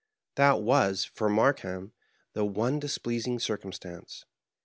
That was, for Markheim, the one displeasing cir cumstance.